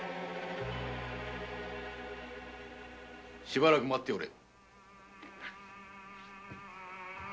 しばらく待っておれ！